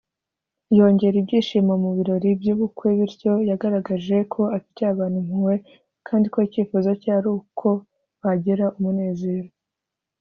yongera ibyishimo mu birori by’ubukwe. Bityo yagaragaje ko afitiye abantu impuhwe, kandi ko icyifuzo cye ari uko bagira umunezero.